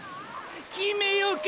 決めようか！！